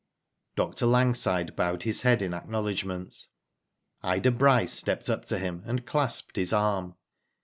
Dr. Langside bowed his head in acknowledg ment. Ida Bryce stepped up to him and clasped his arm."